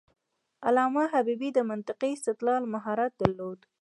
علامه حبيبي د منطقي استدلال مهارت درلود.